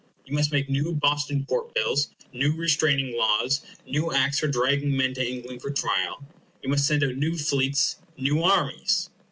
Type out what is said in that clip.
You must make new Boston Port Bills, new restraining laws, new acts for dragging men to England for trial. You must send out new fleets, new armies.